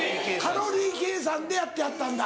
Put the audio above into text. カロリー計算でやってはったんだ。